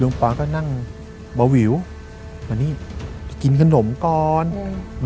ปอนก็นั่งเบาวิวมานี่กินขนมก่อน